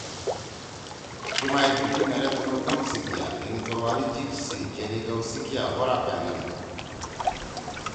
ٹیم ائی بی ٹی مھیرے تُنُو کم سی کیا یعنی توروالی جیِب سی جینی کؤ سی کیا غورا پأنیل تُھو۔